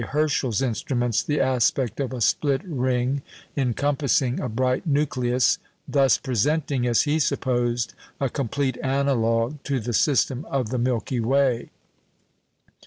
Herschel's instruments, the aspect of a split ring encompassing a bright nucleus, thus presenting, as he supposed, a complete analogue to the system of the Milky Way.